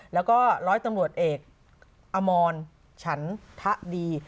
แล้วก็ร้อยตำรวจเอกอมรฉันทะดี